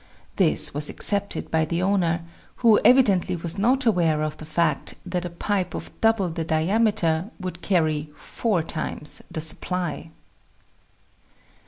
This was accepted by the owner, who evidently was not aware of the fact that a pipe of double the diameter would carry four times the supply.